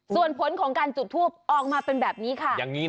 ส่วนผลของการจุดทูปออกมาเป็นแบบนี้ค่ะ